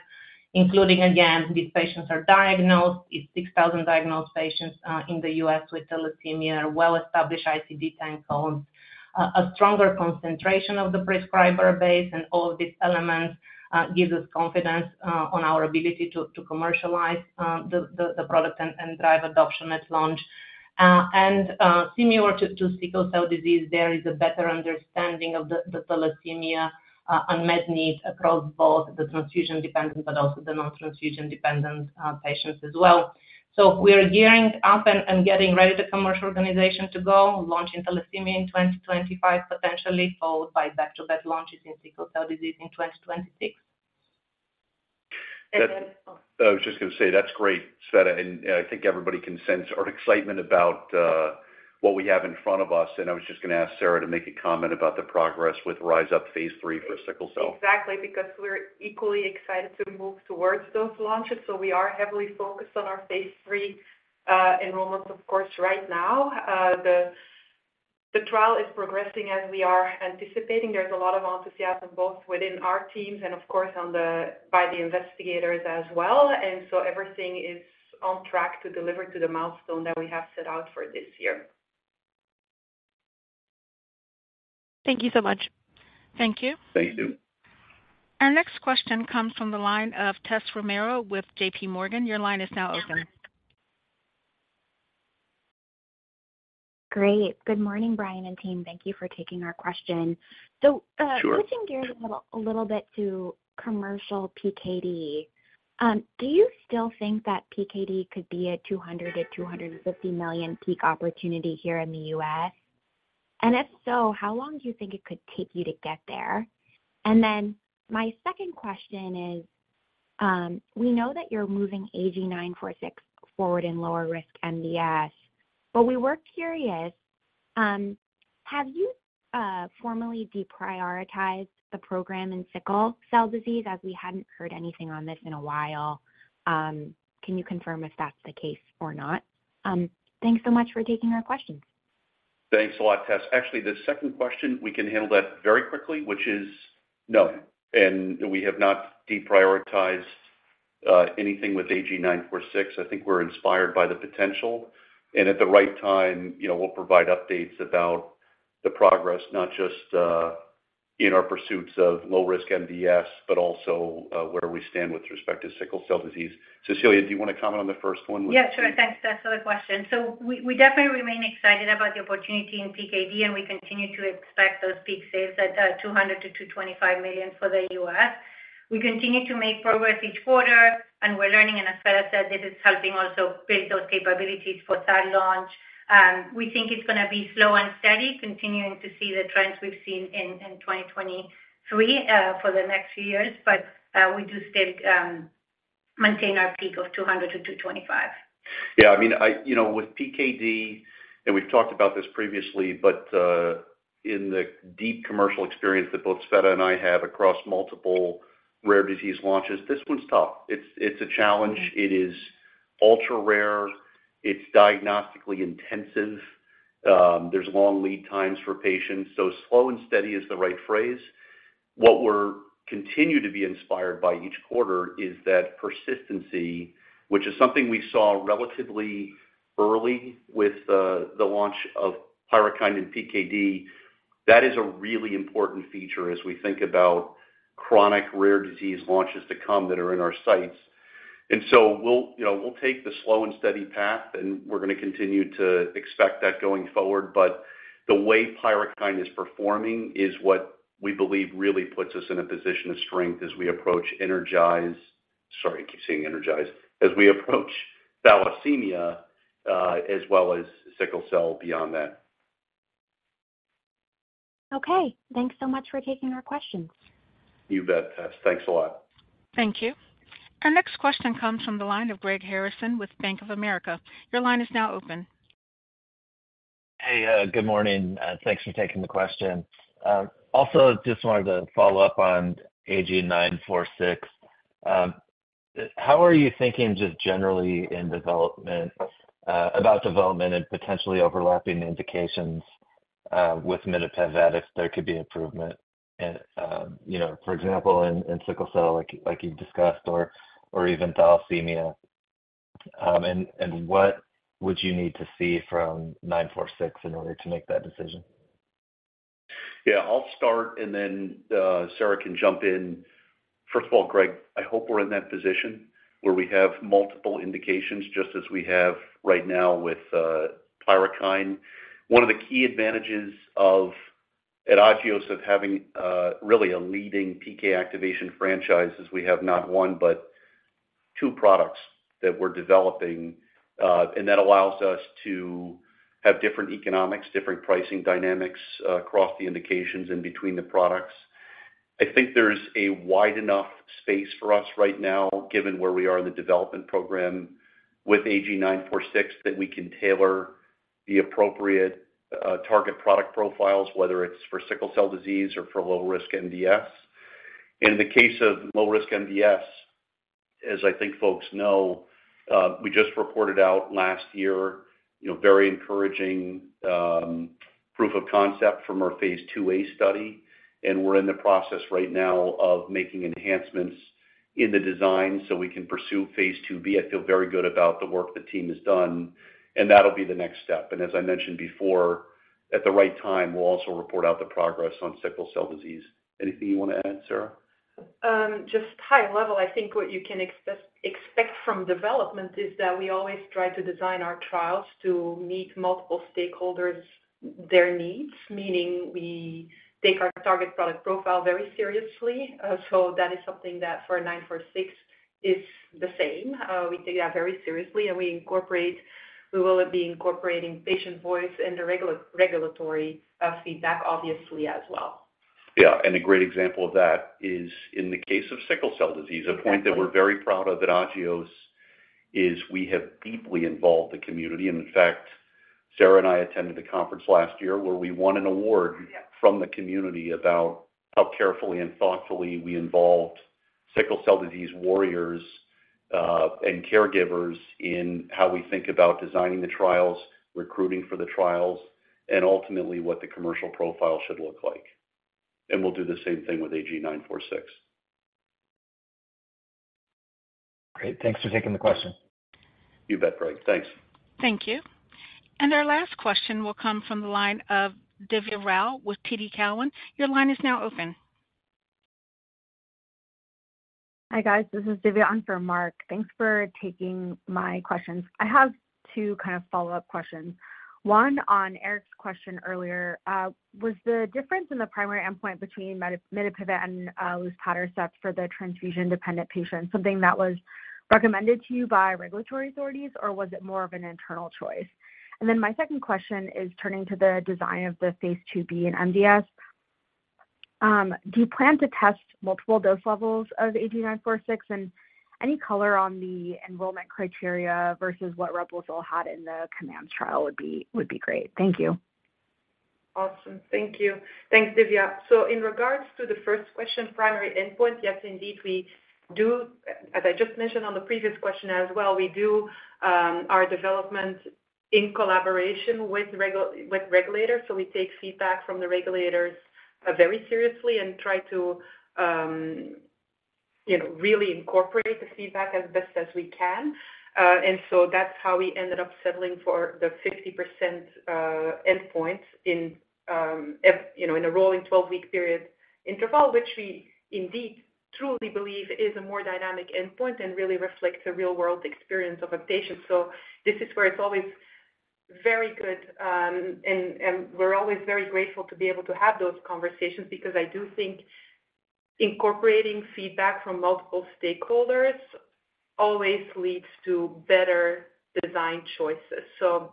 including, again, these patients are diagnosed. It's 6,000 diagnosed patients in the US with thalassemia, well-established ICD-10 codes, a stronger concentration of the prescriber base. And all of these elements give us confidence on our ability to commercialize the product and drive adoption at launch. And similar to sickle cell disease, there is a better understanding of the thalassemia unmet need across both the transfusion-dependent but also the non-transfusion-dependent patients as well. So we are gearing up and getting ready to commercial organization to go, launching thalassemia in 2025, potentially followed by back-to-back launches in sickle cell disease in 2026. I was just going to say, that's great, Tsveta and i think everybody can sense an excitement about what we have in front of us and I was just going to ask Sarah to make a comment about the progress with RISE UP Phase 3 for sickle cell. Exactly, because we're equally excited to move toward those launches. So we are heavily focused on our phase 3 enrollments, of course, right now. The trial is progressing as we are anticipating. There's a lot of enthusiasm both within our teams and, of course, by the investigators as well. And so everything is on track to deliver to the milestone that we have set out for this year. Thank you so much. Thank you. Thank you. Our next question comes from the line of Tess Romero with JP Morgan. Your line is now open. Great. Good morning, Brian and team. Thank you for taking our question. So switching gears a little bit to commercial PKD, do you still think that PKD could be a $200 million-$250 million peak opportunity here in the US? And if so, how long do you think it could take you to get there? And then my second question is, we know that you're moving AG-946 forward in lower-risk MDS, but we were curious, have you formally deprioritized the program in sickle cell disease? As we hadn't heard anything on this in a while, can you confirm if that's the case or not? Thanks so much for taking our questions. Thanks a lot, Tess. Actually, the second question, we can handle that very quickly, which is no. And we have not deprioritized anything with AG-946. I think we're inspired by the potential. And at the right time, we'll provide updates about the progress, not just in our pursuits of low-risk MDS, but also where we stand with respect to sickle cell disease. Cecilia, do you want to comment on the first one with? Yeah, sure. Thanks, Tess, for the question. So we definitely remain excited about the opportunity in PKD, and we continue to expect those peak sales at $200 million-$225 million for the US. We continue to make progress each quarter, and we're learning. And as Sarah said, this is helping also build those capabilities for that launch. We think it's going to be slow and steady, continuing to see the trends we've seen in 2023 for the next few years, but we do still maintain our peak of $200 million-$225 million. Yeah. I mean, with PKD, and we've talked about this previously, but in the deep commercial experience that both Tsveta and I have across multiple rare disease launches, this one's tough. It's a challenge. It is ultra-rare. It's diagnostically intensive. There's long lead times for patients. So slow and steady is the right phrase. What we're continuing to be inspired by each quarter is that persistency, which is something we saw relatively early with the launch of PYRUKYND in PKD, that is a really important feature as we think about chronic rare disease launches to come that are in our sights. And so we'll take the slow and steady path, and we're going to continue to expect that going forward. But the way PYRUKYND is performing is what we believe really puts us in a position of strength as we approach ENERGIZE, sorry, I keep saying ENERGIZE. As we approach thalassemia as well as sickle cell beyond that. Okay. Thanks so much for taking our questions. You bet, Tess. Thanks a lot. Thank you. Our next question comes from the line of Greg Harrison with Bank of America. Your line is now open. Hey, good morning. Thanks for taking the question. Also, just wanted to follow up on AG-946. How are you thinking just generally about development and potentially overlapping indications with mitapivat if there could be improvement, for example, in sickle cell like you've discussed or even thalassemia? And what would you need to see from AG-946 in order to make that decision? Yeah. I'll start, and then Sarah can jump in. First of all, Greg, I hope we're in that position where we have multiple indications just as we have right now with PYRUKYND. One of the key advantages at Agios of having really a leading PK activation franchise is we have not one but two products that we're developing. And that allows us to have different economics, different pricing dynamics across the indications and between the products. I think there's a wide enough space for us right now, given where we are in the development program with AG-946, that we can tailor the appropriate target product profiles, whether it's for sickle cell disease or for low-risk MDS. And in the case of low-risk MDS, as I think folks know, we just reported out last year very encouraging proof of concept from our phase 2a study. We're in the process right now of making enhancements in the design so we can pursue phase 2b. I feel very good about the work the team has done, and that'll be the next step. As I mentioned before, at the right time, we'll also report out the progress on sickle cell disease. Anything you want to add, Sarah? Just high level, I think what you can expect from development is that we always try to design our trials to meet multiple stakeholders' needs, meaning we take our target product profile very seriously. So that is something that for AG-946 is the same. We take that very seriously, and we will be incorporating patient voice and the regulatory feedback, obviously, as well. Yeah. And a great example of that is in the case of sickle cell disease, a point that we're very proud of at Agios is we have deeply involved the community. And in fact, Sarah and I attended a conference last year where we won an award from the community about how carefully and thoughtfully we involved sickle cell disease warriors and caregivers in how we think about designing the trials, recruiting for the trials, and ultimately what the commercial profile should look like. And we'll do the same thing with AG-946. Great. Thanks for taking the question. You bet, Greg. Thanks. Thank you. Our last question will come from the line of Divya Rao with TD Cowen. Your line is now open. Hi, guys. This is Divya. I'm from TD Cowen. Thanks for taking my questions. I have two kind of follow-up questions. One on Eric's question earlier, was the difference in the primary endpoint between mitapivat and luspatercept for the transfusion-dependent patients something that was recommended to you by regulatory authorities, or was it more of an internal choice? And then my second question is turning to the design of the phase 2b in MDS. Do you plan to test multiple dose levels of AG-946? And any color on the enrollment criteria versus what Reblozyl had in the COMMANDS trial would be great. Thank you. Awesome. Thank you. Thanks, Divya. So in regards to the first question, primary endpoint, yes, indeed, we do as I just mentioned on the previous question as well, we do our development in collaboration with regulators. So we take feedback from the regulators very seriously and try to really incorporate the feedback as best as we can. And so that's how we ended up settling for the 50% endpoint in a rolling 12-week period interval, which we indeed truly believe is a more dynamic endpoint and really reflects the real-world experience of a patient. So this is where it's always very good, and we're always very grateful to be able to have those conversations because I do think incorporating feedback from multiple stakeholders always leads to better designed choices. So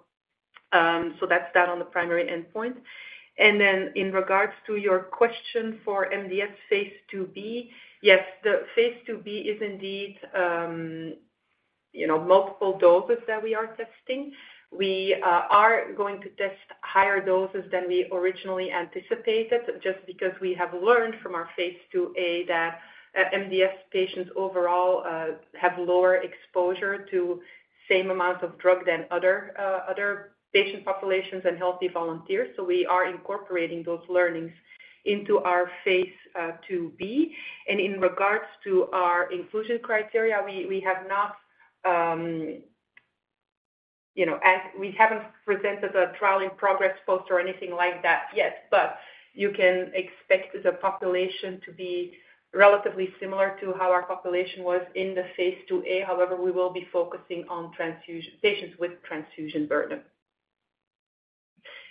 that's that on the primary endpoint. Then in regards to your question for MDS phase 2b, yes, the phase 2b is indeed multiple doses that we are testing. We are going to test higher doses than we originally anticipated just because we have learned from our phase 2a that MDS patients overall have lower exposure to same amounts of drug than other patient populations and healthy volunteers. We are incorporating those learnings into our phase 2b. In regards to our inclusion criteria, we haven't presented a trial in progress poster or anything like that yet, but you can expect the population to be relatively similar to how our population was in the phase 2a. However, we will be focusing on patients with transfusion burden.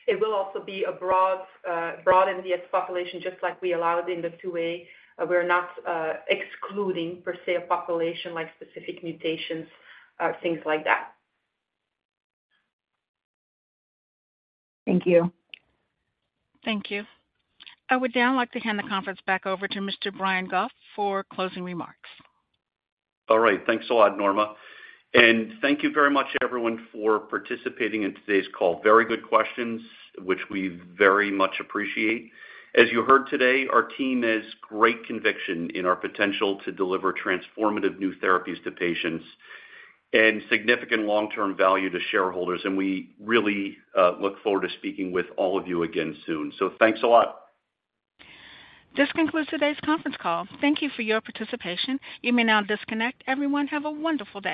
It will also be a broad MDS population just like we allowed in the 2a. We're not excluding, per se, a population like specific mutations, things like that. Thank you. Thank you. I would now like to hand the conference back over to Mr. Brian Goff for closing remarks. All right. Thanks a lot, Norma. Thank you very much, everyone, for participating in today's call. Very good questions, which we very much appreciate. As you heard today, our team has great conviction in our potential to deliver transformative new therapies to patients and significant long-term value to shareholders. We really look forward to speaking with all of you again soon. Thanks a lot. This concludes today's conference call. Thank you for your participation. You may now disconnect. Everyone, have a wonderful day.